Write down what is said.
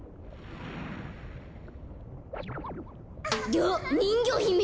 どわっにんぎょひめ？